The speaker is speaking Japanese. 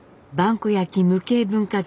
古焼無形文化財